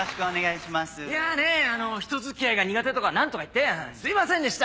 いや人付き合いが苦手とか何とか言ってすいませんでした。